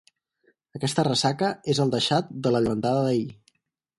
Aquesta ressaca és el deixat de la llevantada d'ahir.